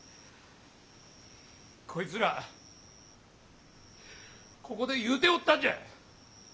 こいつらここで言うておったんじゃ